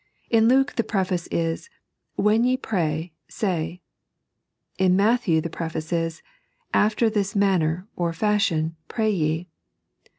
In Luke the preface is, " When ye pray, say." In Matthew the preface is, " After this manner, or fashion, pray ye."